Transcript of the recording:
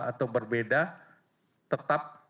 atau berbeda tetap